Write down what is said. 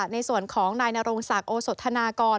ในส่วนของนายนรงศักดิ์โอสธนากร